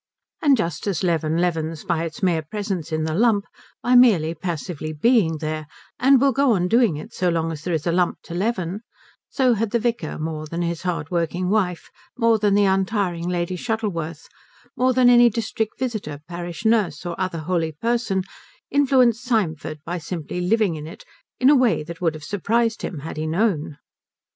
And just as leaven leavens by its mere presence in the lump, by merely passively being there, and will go on doing it so long as there is a lump to leaven, so had the vicar, more than his hardworking wife, more than the untiring Lady Shuttleworth, more than any district visitor, parish nurse, or other holy person, influenced Symford by simply living in it in a way that would have surprised him had he known.